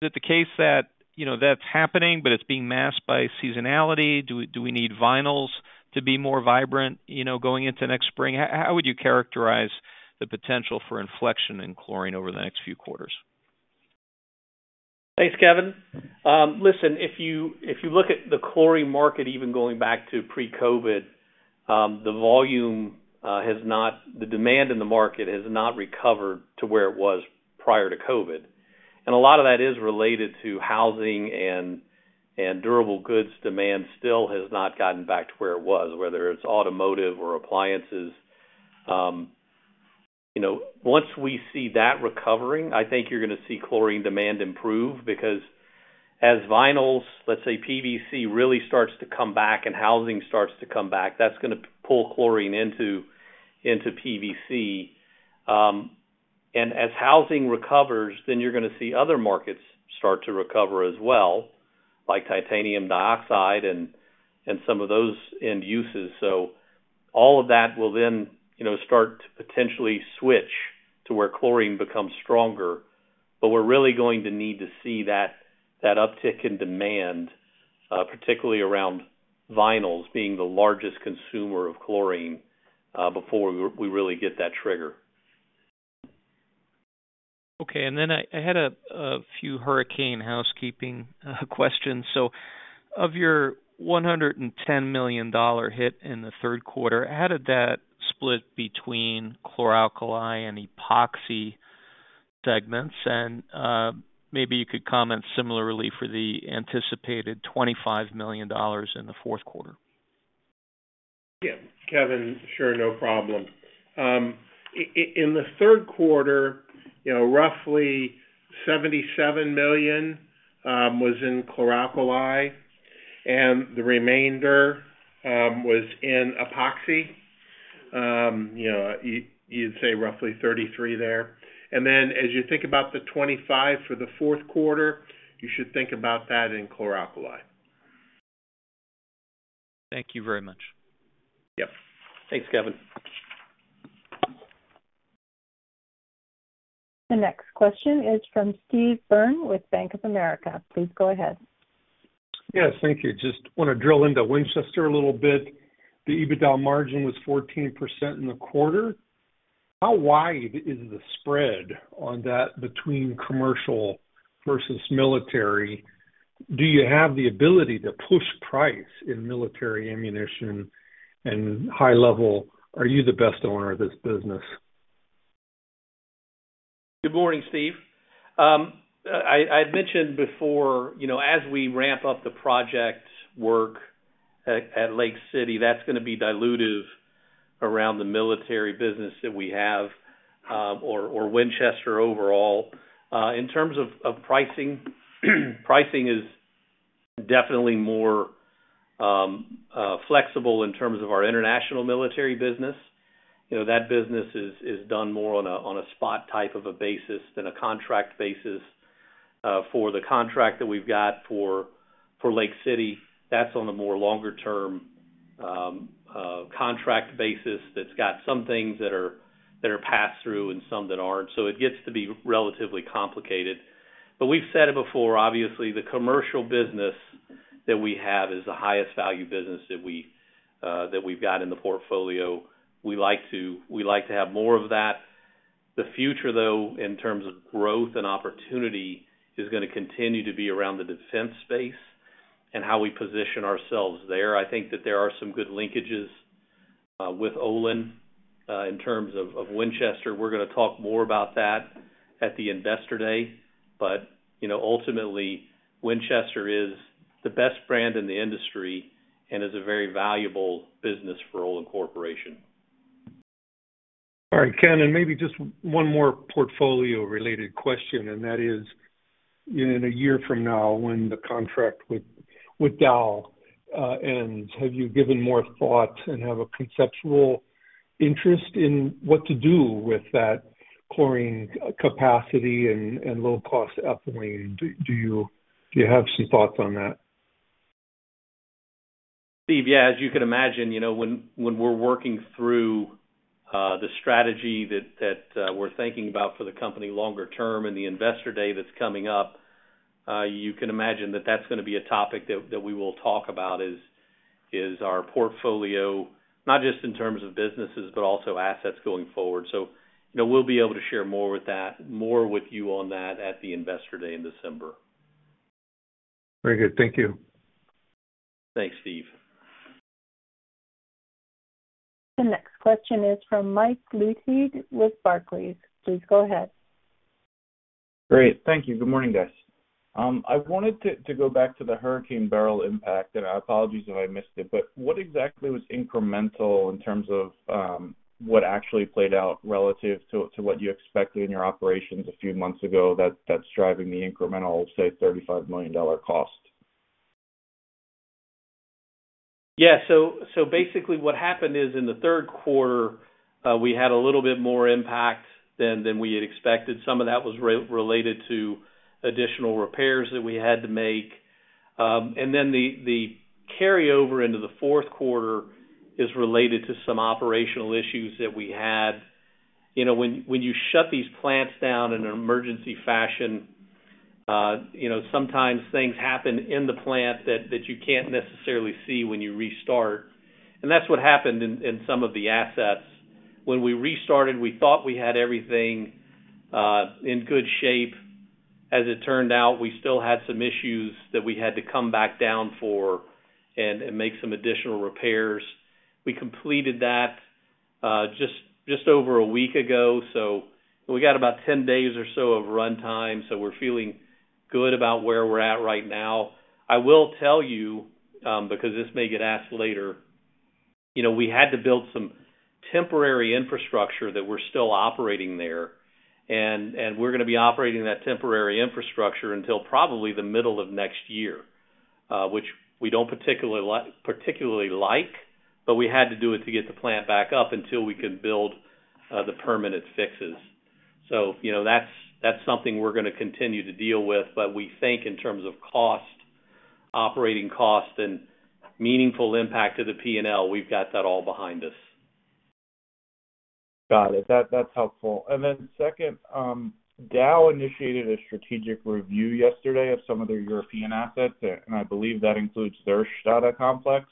the case that, you know, that's happening, but it's being masked by seasonality? Do we need vinyls to be more vibrant, you know, going into next spring? How would you characterize the potential for inflection in chlorine over the next few quarters? Thanks, Kevin. Listen, if you, if you look at the chlorine market, even going back to pre-COVID, the demand in the market has not recovered to where it was prior to COVID. And a lot of that is related to housing and durable goods. Demand still has not gotten back to where it was, whether it's automotive or appliances. You know, once we see that recovering, I think you're gonna see chlorine demand improve, because as vinyls, let's say PVC, really starts to come back and housing starts to come back, that's gonna pull chlorine into PVC. And as housing recovers, then you're gonna see other markets start to recover as well, like titanium dioxide and some of those end uses. So all of that will then, you know, start to potentially switch to where chlorine becomes stronger. But we're really going to need to see that uptick in demand, particularly around vinyls being the largest consumer of chlorine, before we really get that trigger. Okay. Then I had a few hurricane housekeeping questions. So of your $110 million hit in the third quarter, how did that split between chlor-alkali and epoxy segments? And maybe you could comment similarly for the anticipated $25 million in the fourth quarter. Yeah, Kevin, sure. No problem. In the third quarter, you know, roughly $77 million was in chlor-alkali, and the remainder was in epoxy. You know, you'd say roughly $33 million there. And then as you think about the $25 million for the fourth quarter, you should think about that in chlor-alkali. Thank you very much. Yep. Thanks, Kevin. The next question is from Steve Byrne with Bank of America. Please go ahead. Yes, thank you. Just wanna drill into Winchester a little bit. The EBITDA margin was 14% in the quarter. How wide is the spread on that between commercial versus military? Do you have the ability to push price in military ammunition? And high level, are you the best owner of this business? Good morning, Steve. I'd mentioned before, you know, as we ramp up the project work at Lake City, that's gonna be dilutive around the military business that we have, or Winchester overall. In terms of pricing, pricing is definitely more flexible in terms of our international military business. You know, that business is done more on a spot type of a basis than a contract basis. For the contract that we've got for Lake City, that's on a more longer-term contract basis, that's got some things that are passed through and some that aren't. So it gets to be relatively complicated. But we've said it before, obviously, the commercial business that we have is the highest value business that we've got in the portfolio. We like to have more of that. The future, though, in terms of growth and opportunity, is gonna continue to be around the defense space and how we position ourselves there. I think that there are some good linkages with Olin in terms of Winchester. We're gonna talk more about that at the Investor Day. But you know, ultimately, Winchester is the best brand in the industry and is a very valuable business for Olin Corporation. All right, Ken, and maybe just one more portfolio-related question, and that is, in a year from now, when the contract with Dow ends, have you given more thought and have a conceptual interest in what to do with that chlorine capacity and low-cost ethylene? Do you have some thoughts on that? Steve, yeah, as you can imagine, you know, when we're working through the strategy that we're thinking about for the company longer term and the Investor Day that's coming up, you can imagine that that's gonna be a topic that we will talk about is our portfolio, not just in terms of businesses, but also assets going forward. So, you know, we'll be able to share more with you on that at the Investor Day in December. Very good. Thank you. Thanks, Steve. The next question is from Mike Leithead with Barclays. Please go ahead. Great. Thank you. Good morning, guys. I wanted to go back to the Hurricane Beryl impact, and apologies if I missed it, but what exactly was incremental in terms of what actually played out relative to what you expected in your operations a few months ago that's driving the incremental, say, $35 million cost? Yeah. So basically, what happened is, in the third quarter, we had a little bit more impact than we had expected. Some of that was related to additional repairs that we had to make. And then the carryover into the fourth quarter is related to some operational issues that we had. You know, when you shut these plants down in an emergency fashion, you know, sometimes things happen in the plant that you can't necessarily see when you restart. And that's what happened in some of the assets. When we restarted, we thought we had everything in good shape. As it turned out, we still had some issues that we had to come back down for and make some additional repairs. We completed that just over a week ago, so we got about 10 days or so of runtime, so we're feeling good about where we're at right now. I will tell you, because this may get asked later, you know, we had to build some temporary infrastructure that we're still operating there, and we're gonna be operating that temporary infrastructure until probably the middle of next year, which we don't particularly like, but we had to do it to get the plant back up until we could build the permanent fixes. So, you know, that's something we're gonna continue to deal with, but we think in terms of cost, operating costs, and meaningful impact to the P&L, we've got that all behind us. Got it. That, that's helpful. And then second, Dow initiated a strategic review yesterday of some of their European assets, and I believe that includes their Stade Complex.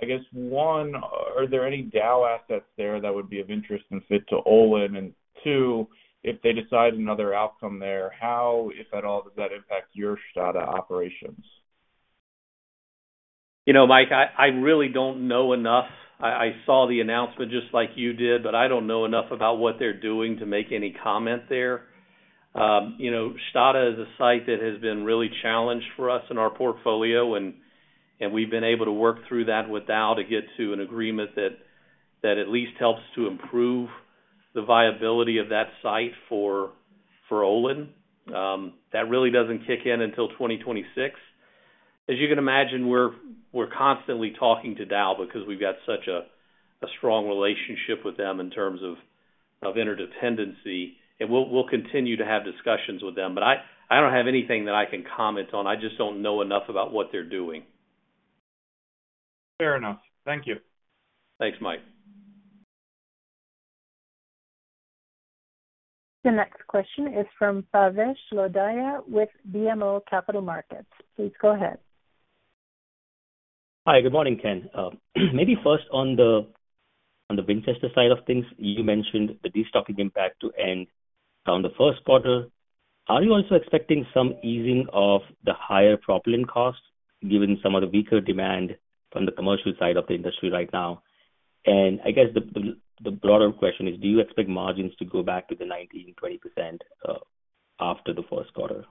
I guess, one, are there any Dow assets there that would be of interest and fit to Olin? And two, if they decide another outcome there, how, if at all, does that impact your Stade operations? You know, Mike, I really don't know enough. I saw the announcement just like you did, but I don't know enough about what they're doing to make any comment there. You know, Stade is a site that has been really challenged for us in our portfolio, and we've been able to work through that with Dow to get to an agreement that at least helps to improve the viability of that site for Olin. That really doesn't kick in until 2026. As you can imagine, we're constantly talking to Dow because we've got such a strong relationship with them in terms of interdependency, and we'll continue to have discussions with them. But I don't have anything that I can comment on. I just don't know enough about what they're doing. Fair enough. Thank you. Thanks, Mike. The next question is from Bhavesh Lodaya with BMO Capital Markets. Please go ahead. Hi, good morning, Ken. Maybe first on the Winchester side of things, you mentioned the destocking impact to end around the first quarter. Are you also expecting some easing of the higher propellant costs, given some of the weaker demand from the commercial side of the industry right now? And I guess the broader question is: Do you expect margins to go back to the 19%-20% after the first quarter?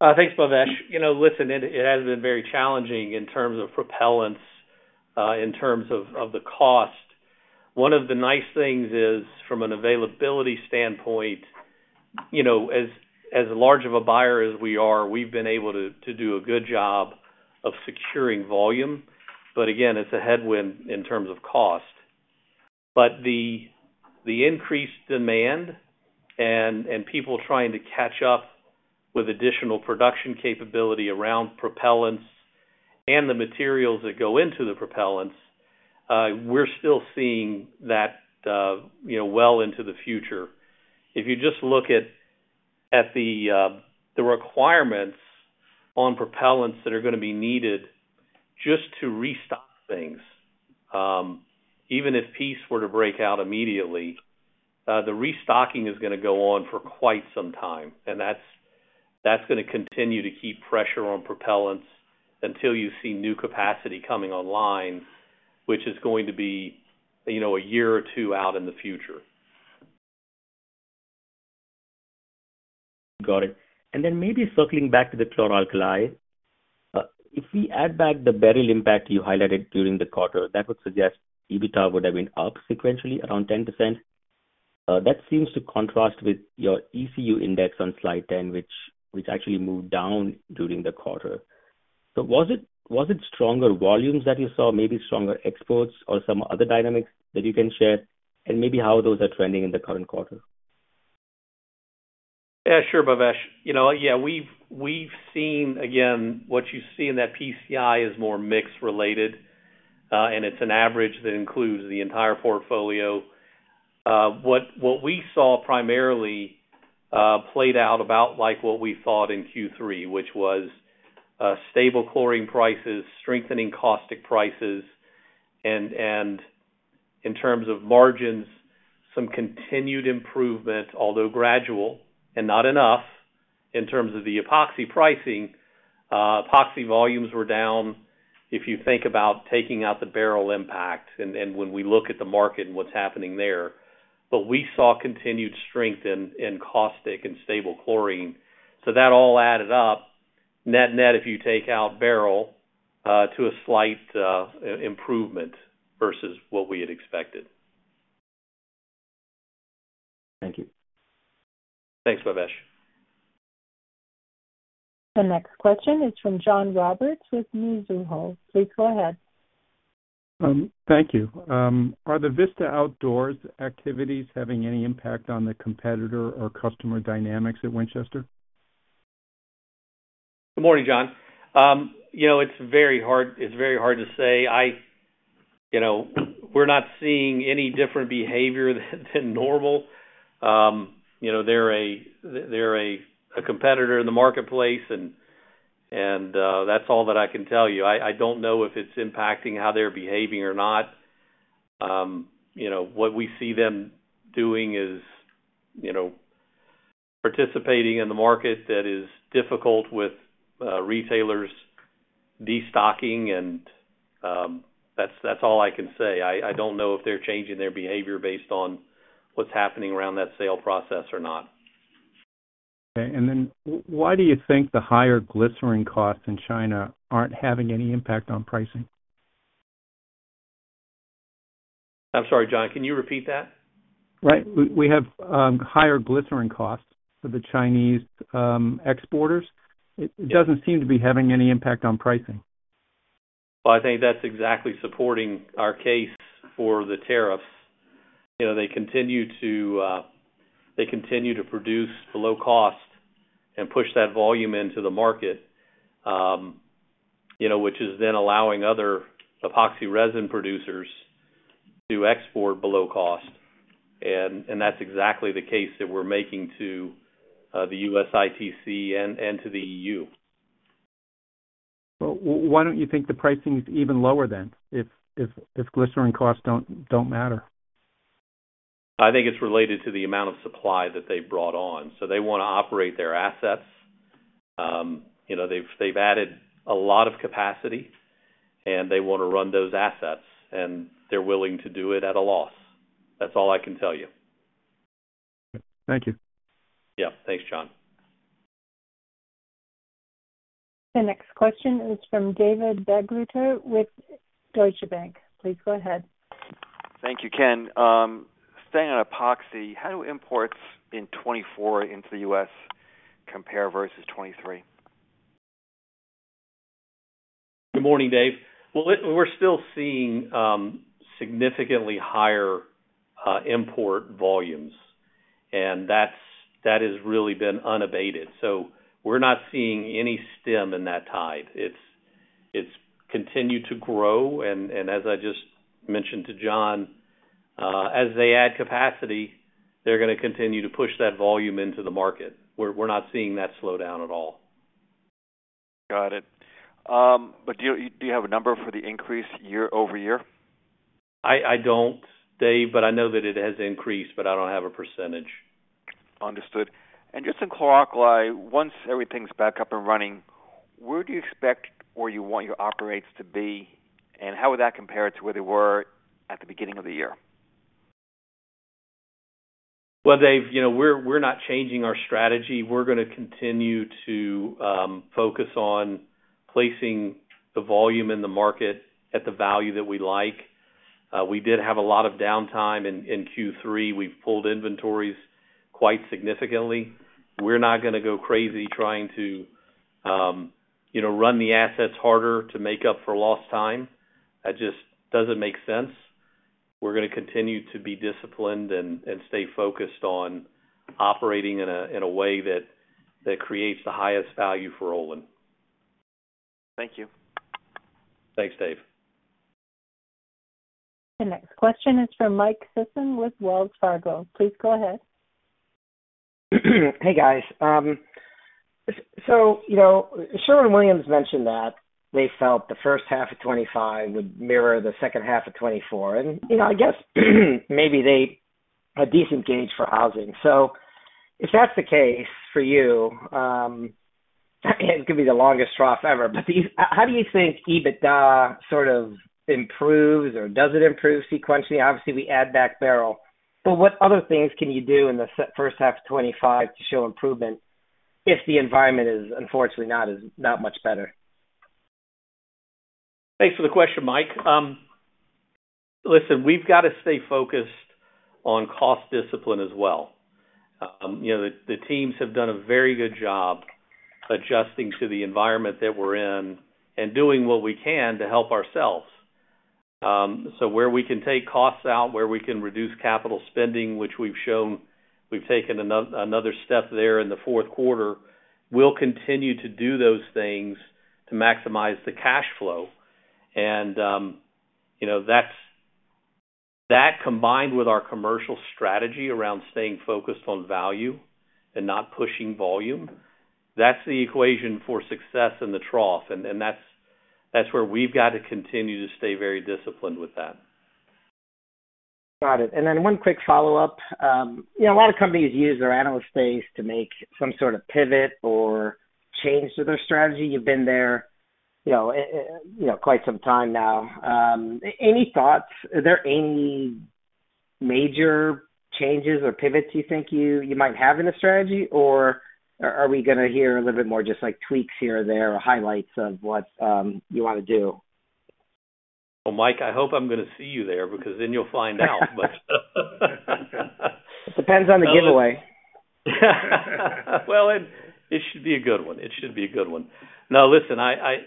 Thanks, Bhavesh. You know, listen, it has been very challenging in terms of propellants, in terms of the cost. One of the nice things is, from an availability standpoint, you know, as large of a buyer as we are, we've been able to do a good job of securing volume. But again, it's a headwind in terms of cost. But the increased demand and people trying to catch up with additional production capability around propellants and the materials that go into the propellants, we're still seeing that, you know, well into the future. If you just look at the requirements on propellants that are going to be needed just to restock things. Even if peace were to break out immediately, the restocking is going to go on for quite some time, and that's going to continue to keep pressure on propellants until you see new capacity coming online, which is going to be, you know, a year or two out in the future. Got it. And then maybe circling back to the chlor-alkali. If we add back the Beryl impact you highlighted during the quarter, that would suggest EBITDA would have been up sequentially around 10%. That seems to contrast with your ECU index on slide 10, which actually moved down during the quarter. So was it stronger volumes that you saw, maybe stronger exports or some other dynamics that you can share, and maybe how those are trending in the current quarter? Yeah, sure, Bhavesh. You know, yeah, we've seen again what you see in that PCI is more mix related, and it's an average that includes the entire portfolio. What we saw primarily played out about like what we thought in Q3, which was stable chlorine prices, strengthening caustic prices, and in terms of margins, some continued improvement, although gradual and not enough in terms of the epoxy pricing. Epoxy volumes were down, if you think about taking out the Beryl impact and when we look at the market and what's happening there. But we saw continued strength in caustic and stable chlorine. So that all added up, net-net, if you take out Beryl, to a slight improvement versus what we had expected. Thank you. Thanks, Bhavesh. The next question is from John Roberts with Mizuho. Please go ahead. Thank you. Are the Vista Outdoor activities having any impact on the competitor or customer dynamics at Winchester? Good morning, John. You know, it's very hard to say. You know, we're not seeing any different behavior than normal. You know, they're a competitor in the marketplace, and that's all that I can tell you. I don't know if it's impacting how they're behaving or not. You know, what we see them doing is, you know, participating in the market that is difficult with retailers destocking, and that's all I can say. I don't know if they're changing their behavior based on what's happening around that sale process or not. Okay. And then why do you think the higher glycerin costs in China aren't having any impact on pricing? I'm sorry, John, can you repeat that? Right. We have higher glycerin costs for the Chinese exporters. It doesn't seem to be having any impact on pricing. I think that's exactly supporting our case for the tariffs. You know, they continue to produce below cost and push that volume into the market, you know, which is then allowing other epoxy resin producers to export below cost. And that's exactly the case that we're making to the U.S. ITC and to the EU. Why don't you think the pricing is even lower than, if glycerin costs don't matter? I think it's related to the amount of supply that they've brought on. So they want to operate their assets. You know, they've added a lot of capacity, and they want to run those assets, and they're willing to do it at a loss. That's all I can tell you. Thank you. Yeah. Thanks, John. The next question is from David Begleiter with Deutsche Bank. Please go ahead. Thank you, Ken. Staying on epoxy, how do imports in 2024 into the U.S. compare versus 2023? Good morning, Dave. Well, we're still seeing significantly higher import volumes, and that's, that has really been unabated. So we're not seeing any stem in that tide. It's continued to grow, and as I just mentioned to John, as they add capacity, they're going to continue to push that volume into the market. We're not seeing that slow down at all. Got it. But do you have a number for the increase year-over-year? I don't, Dave, but I know that it has increased, but I don't have a percentage. Understood. And just in chlor-alkali, once everything's back up and running, where do you expect or you want your operating rates to be, and how would that compare to where they were at the beginning of the year? Well, Dave, you know, we're not changing our strategy. We're going to continue to focus on placing the volume in the market at the value that we like. We did have a lot of downtime in Q3. We've pulled inventories quite significantly. We're not going to go crazy trying to, you know, run the assets harder to make up for lost time. That just doesn't make sense. We're going to continue to be disciplined and stay focused on operating in a way that creates the highest value for Olin. Thank you. Thanks, Dave. The next question is from Mike Sison with Wells Fargo. Please go ahead. Hey, guys. So, you know, Sherwin-Williams mentioned that they felt the first half of 2025 would mirror the second half of 2024. And, you know, I guess, maybe they're a decent gauge for housing. So if that's the case for you, it's gonna be the longest trough ever. But these-- how do you think EBITDA sort of improves, or does it improve sequentially? Obviously, we add back Beryl. But what other things can you do in the first half of 2025 to show improvement if the environment is unfortunately not as, not much better? Thanks for the question, Mike. Listen, we've got to stay focused on cost discipline as well. You know, the teams have done a very good job adjusting to the environment that we're in and doing what we can to help ourselves. So where we can take costs out, where we can reduce capital spending, which we've shown we've taken another step there in the fourth quarter, we'll continue to do those things to maximize the cash flow. And, you know, that's, That, combined with our commercial strategy around staying focused on value and not pushing volume, that's the equation for success in the trough, and, and that's, that's where we've got to continue to stay very disciplined with that. Got it. And then one quick follow-up. You know, a lot of companies use their analyst days to make some sort of pivot or change to their strategy. You've been there, you know, you know, quite some time now. Any thoughts? Are there any major changes or pivots you think you might have in the strategy? Or are we gonna hear a little bit more, just like tweaks here or there, or highlights of what you wanna do? Well, Mike, I hope I'm gonna see you there because then you'll find out. Depends on the giveaway. It should be a good one. It should be a good one. No, listen,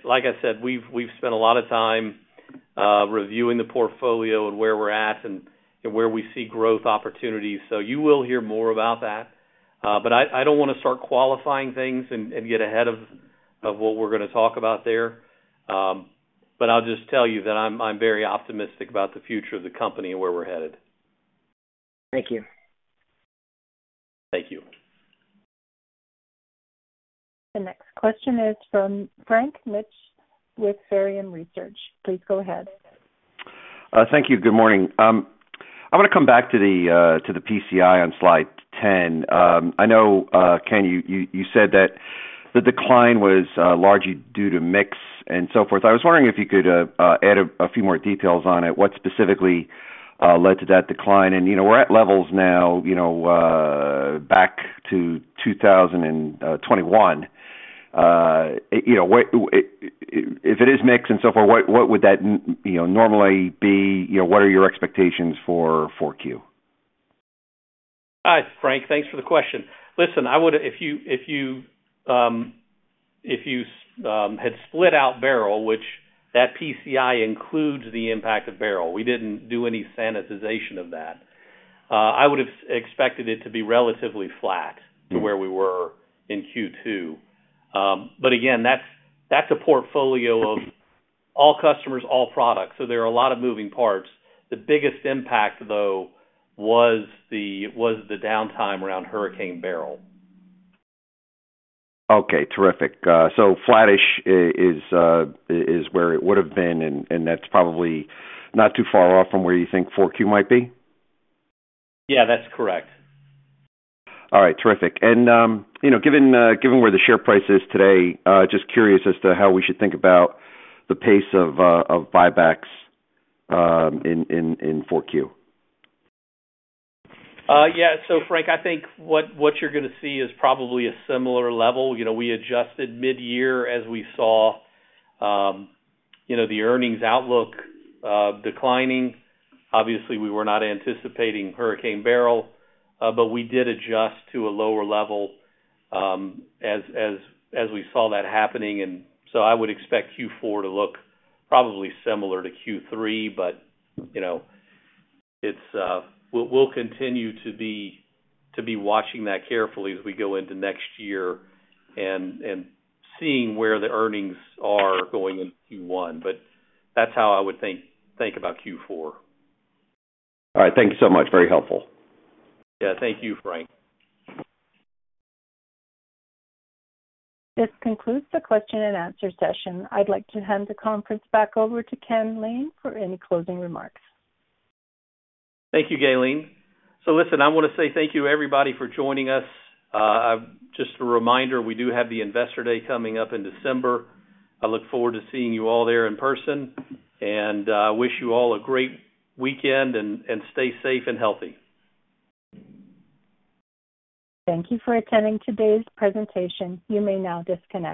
like I said, we've spent a lot of time reviewing the portfolio and where we're at and where we see growth opportunities. So you will hear more about that. But I don't wanna start qualifying things and get ahead of what we're gonna talk about there. But I'll just tell you that I'm very optimistic about the future of the company and where we're headed. Thank you. Thank you. The next question is from Frank Mitsch with Fermium Research. Please go ahead. Thank you. Good morning. I wanna come back to the PCI on slide 10. I know, Ken, you said that the decline was largely due to mix and so forth. I was wondering if you could add a few more details on it. What specifically led to that decline? And, you know, we're at levels now, you know, back to 2021. You know, what, if it is mix and so forth, what would that normally be? You know, what are your expectations for 4Q? Hi, Frank. Thanks for the question. Listen, I would – if you had split out Beryl, which that PCI includes the impact of Beryl, we didn't do any sanitization of that. I would have expected it to be relatively flat- Mm-hmm. -to where we were in Q2. But again, that's a portfolio of all customers, all products, so there are a lot of moving parts. The biggest impact, though, was the downtime around Hurricane Beryl. Okay, terrific. So flattish is where it would've been, and that's probably not too far off from where you think 4Q might be? Yeah, that's correct. All right, terrific. And, you know, given where the share price is today, just curious as to how we should think about the pace of buybacks, in 4Q? Yeah. So Frank, I think what you're gonna see is probably a similar level. You know, we adjusted mid-year as we saw, you know, the earnings outlook declining. Obviously, we were not anticipating Hurricane Beryl, but we did adjust to a lower level, as we saw that happening. And so I would expect Q4 to look probably similar to Q3, but, you know, it's... We'll continue to be watching that carefully as we go into next year and seeing where the earnings are going in Q1. But that's how I would think about Q4. All right. Thank you so much. Very helpful. Yeah. Thank you, Frank. This concludes the question and answer session. I'd like to hand the conference back over to Ken Lane for any closing remarks. Thank you, Gaylene. So listen, I wanna say thank you, everybody, for joining us. Just a reminder, we do have the Investor Day coming up in December. I look forward to seeing you all there in person, and I wish you all a great weekend and stay safe and healthy. Thank you for attending today's presentation. You may now disconnect.